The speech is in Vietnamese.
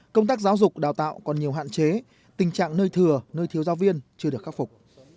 công tác giáo dục đào tạo còn nhiều hạn chế tình trạng nơi thừa nơi thiếu giáo viên chưa được khắc phục